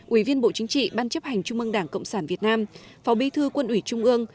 ủy viên bộ chính trị ban chấp hành trung mương đảng cộng sản việt nam phó bí thư quân ủy trung ương